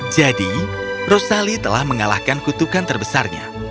jadi rosali telah mengalahkan kutukan terbesarnya